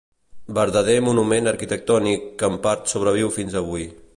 Verdader monument arquitectònic, que en part sobreviu fins avui.